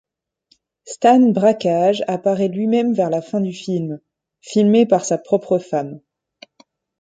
Stan Brakhage apparaît lui-même vers la fin du film, filmé par sa propre femme.